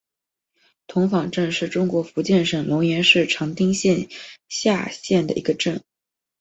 童坊镇是中国福建省龙岩市长汀县下辖的一个镇。